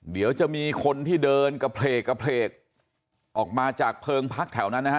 เดี๋ยวจะมีคนที่เดินกระเพลกกระเพลกออกมาจากเพลิงพักแถวนั้นนะฮะ